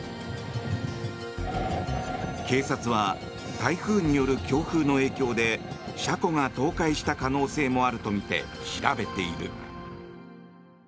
警察は台風による強風の影響で車庫が倒壊した可能性もあるとみて調べている。